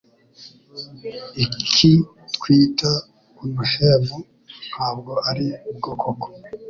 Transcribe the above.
Iki twita unuhemo ntabwo ari bwo koko